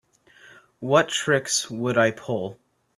What tricks would I pull?